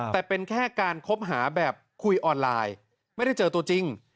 แต่เป็นแค่การคบหาแบบคุยออนไลน์ไม่ได้เจอตัวจริง